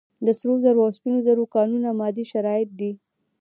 د سرو زرو او سپینو زرو کانونه مادي شرایط دي.